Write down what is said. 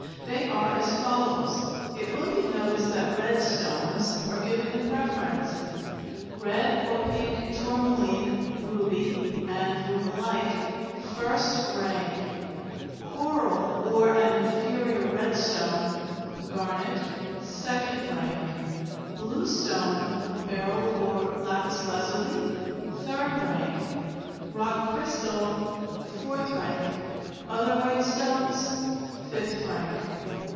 They are as follows; it will be noticed that red stones are given the preference: Red or pink tourmaline, ruby (and rubellite) 1st rank. Coral or an inferior red stone (garnet) 2d rank. Blue stone (beryl or lapis lazuli) 3d rank. Rock crystal 4th rank. Other white stones 5th rank.